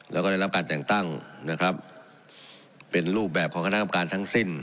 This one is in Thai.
แล้วก็ได้รับการแต่งตั้งนะครับเป็นรูปแบบของคณะกรรมการทั้งสิ้น